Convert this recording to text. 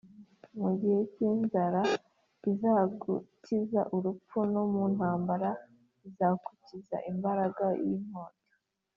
mu gihe cy’inzara izagukiza urupfu, no mu ntambara izagukiza imbaraga y’inkota